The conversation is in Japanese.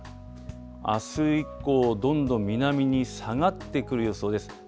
あす以降、どんどん南に下がってくる予想です。